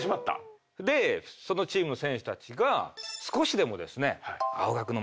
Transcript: でそのチームの選手たちが少しでもですね。